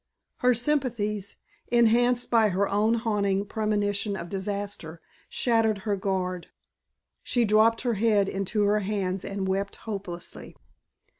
Her sympathies, enhanced by her own haunting premonition of disaster, shattered her guard. She dropped her head into her hands and wept hopelessly.